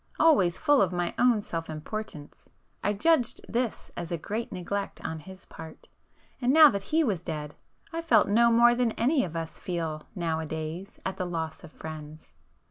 Always full of my own self importance, I judged this as great neglect on his part, and now that he was dead I felt no more than any of us feel now a days at the loss of friends.